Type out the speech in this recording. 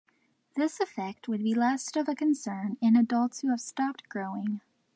This effect would be less of a concern in adults who have stopped growing.